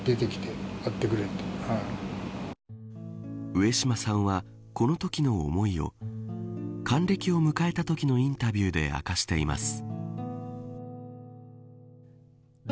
上島さんは、このときの思いを還暦を迎えたときのインタビューで明かしています。